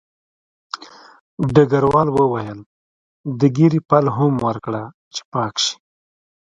ډګروال وویل د ږیرې پل هم ورکړه چې پاک شي